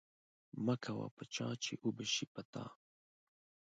مه کوه په چا چی اوبه شی په تا.